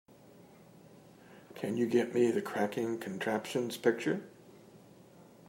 Can you get me the Cracking Contraptions picture?